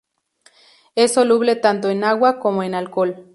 Es soluble tanto en agua como en alcohol.